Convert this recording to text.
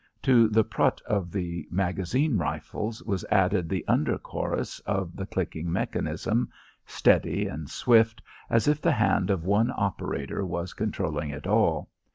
To the prut of the magazine rifles was added the under chorus of the clicking mechanism, steady and swift, as if the hand of one operator was controlling it all.